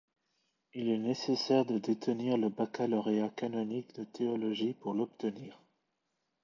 Il est nécessaire de détenir le baccalauréat canonique de théologie pour l'obtenir.